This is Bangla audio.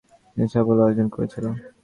তিনি সাফল্য অর্জন করেছিল।